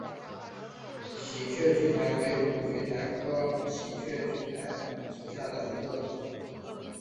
喜鹊苣苔为苦苣苔科喜鹊苣苔属下的一个种。